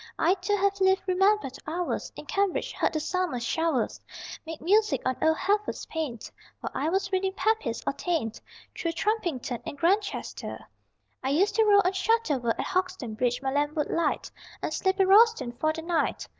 I too have lived remembered hours In Cambridge; heard the summer showers Make music on old Heffer's pane While I was reading Pepys or Taine. Through Trumpington and Grantchester I used to roll on Shotover; At Hauxton Bridge my lamp would light And sleep in Royston for the night.